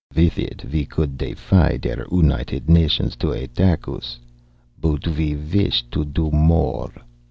With it, we could defy der United Nations to attack us. But we wished to do more.